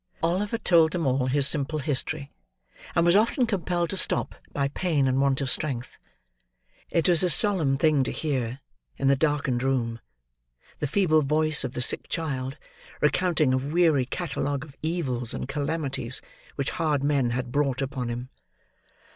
Oliver told them all his simple history, and was often compelled to stop, by pain and want of strength. It was a solemn thing, to hear, in the darkened room, the feeble voice of the sick child recounting a weary catalogue of evils and calamities which hard men had brought upon him.